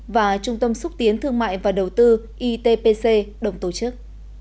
và trung tâm xúc tiến thương mại và đầu tư itpc đồng tổ chức